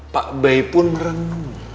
pak bay pun merenung